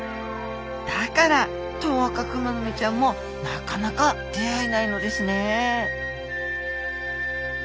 だからトウアカクマノミちゃんもなかなか出会えないのですね